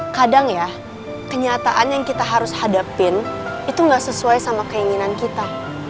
kadang ya kenyataan yang kita harus hadapin itu gak sesuai sama keinginan kita